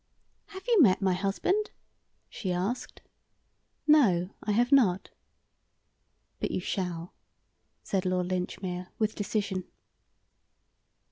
"Have you met my husband?" she asked. "No, I have not." "But you shall," said Lord Linchmere, with decision.